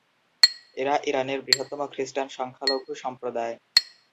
এরা ইরানের বৃহত্তম খ্রিস্টান সংখ্যালঘু সম্প্রদায়।